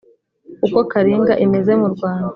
uko karinga imeze mu rwanda,